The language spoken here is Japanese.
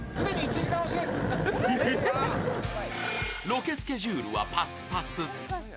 ロケスケジュールはパツパツ。